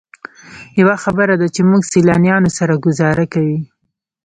یوه خبره ده چې موږ سیلانیانو سره ګوزاره کوئ.